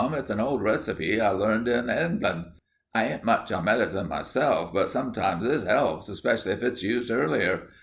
"It's an old receipt I learned in Hengland. I ain't much on medicine myself, but sometimes this 'elps, especially if it's used earlier.